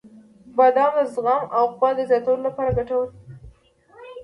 • بادام د زغم او قوت د زیاتولو لپاره ګټور دی.